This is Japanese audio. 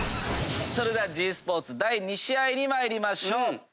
それではｇスポーツ第２試合に参りましょう。